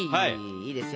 いいですよ。